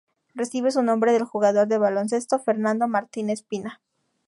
Recibe su nombre del jugador de baloncesto Fernando Martín Espina.